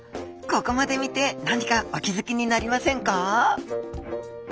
ここまで見て何かお気付きになりませんか？